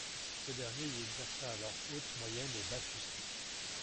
Ce dernier y exerça alors haute, moyenne et basse justice.